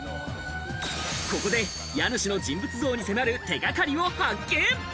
ここで家主の人物像に迫る手掛かりを発見。